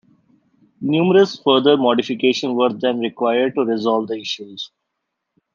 Numerous further modifications were then required to resolve the issues.